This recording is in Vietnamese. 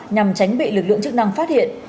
nhằm tránh bị lực lượng chức năng phát hiện